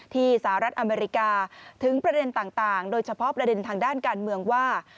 สหรัฐอเมริกาถึงประเด็นต่างโดยเฉพาะประเด็นทางด้านการเมืองว่า